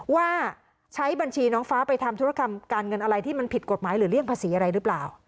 ว่าใช้บัญชีน้องฟ้าไปทำธุรกรรมการเงินอะไรที่มันผิดกฎหมายหรือเลี่ยงภาษีอะไรหรือเปล่า